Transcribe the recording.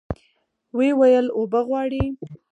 ويې ويل اوبه غواړي.